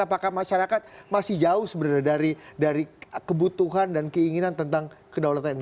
apakah masyarakat masih jauh sebenarnya dari kebutuhan dan keinginan tentang kedaulatan indonesia